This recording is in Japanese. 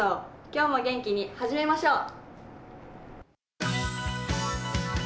今日も元気に始めましょう！